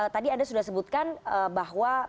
tadi anda sudah sebutkan bahwa